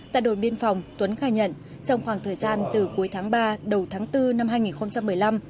tại đồn biên phòng tuấn khai nhận trong khoảng thời gian từ cuối tháng ba đầu tháng bốn năm hai nghìn một mươi năm